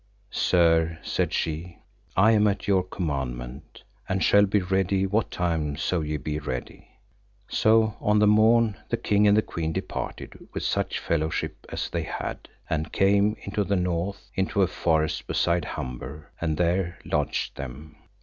Sir, said she, I am at your commandment, and shall be ready what time so ye be ready. So on the morn the king and the queen departed with such fellowship as they had, and came into the north, into a forest beside Humber, and there lodged them.